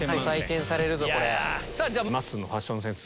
まっすーのファッションセンス